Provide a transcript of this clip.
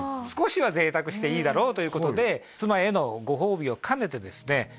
少しは贅沢していいだろうということで妻へのご褒美を兼ねてですね